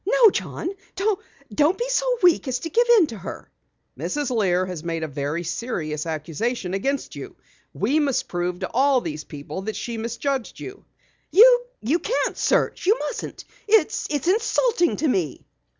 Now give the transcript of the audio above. "No, John! Don't be so weak as to give in to her!" "Mrs. Lear has made a very serious accusation against you. We must prove to all these people that she misjudged you." "You can't search you mustn't! It's insulting to me!"